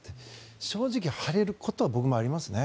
正直、腫れることは僕もありますね。